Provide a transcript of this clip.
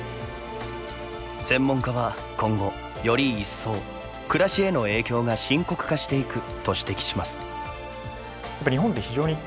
専門家は今後、より一層暮らしへの影響が深刻化していくと指摘します。